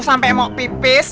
sampai mau pipis